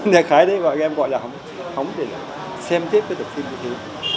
để khai đấy và em gọi là hóng hóng để xem tiếp cái tập phim như thế